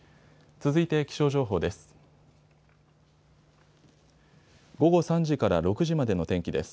続いて気象情報です。